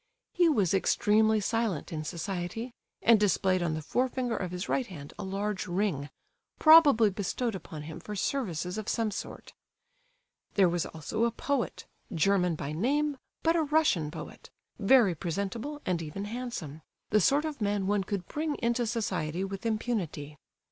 He was extremely silent in society, and displayed on the forefinger of his right hand a large ring, probably bestowed upon him for services of some sort. There was also a poet, German by name, but a Russian poet; very presentable, and even handsome—the sort of man one could bring into society with impunity.